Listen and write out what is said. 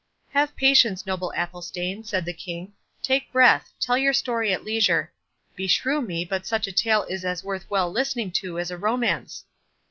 "Have patience, noble Athelstane," said the King, "take breath—tell your story at leisure—beshrew me but such a tale is as well worth listening to as a romance."